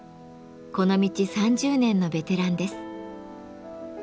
この道３０年のベテランです。